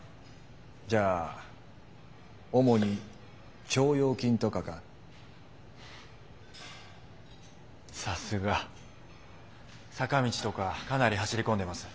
じゃあ主に「腸腰筋」とかか。さすが。「坂道」とかかなり走り込んでます。